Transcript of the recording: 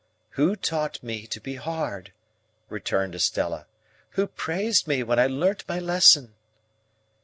"Who taught me to be hard?" returned Estella. "Who praised me when I learnt my lesson?"